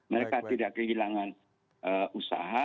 mereka tidak kehilangan usaha